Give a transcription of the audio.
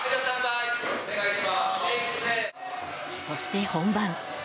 そして本番。